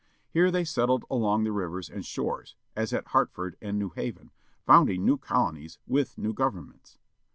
Here they settled along the rivers and shores, as at Hartford and New Haven, founding new colonies, with new governments.